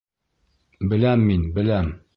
Беләм мин, беләм.